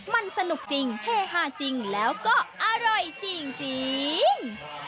มันสนุกจริงเฮฮาจริงแล้วก็อร่อยจริง